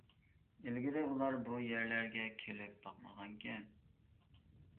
ئىلگىرى ئۇلار بۇ يەرلەرگە كېلىپ باقمىغانىكەن.